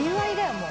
もう。